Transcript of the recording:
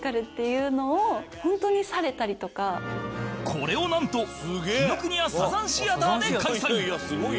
これをなんと紀伊國屋サザンシアターで開催